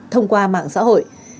thông qua mạng xã hội